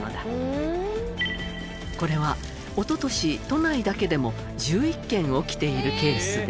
これはおととし都内だけでも１１件起きているケースで。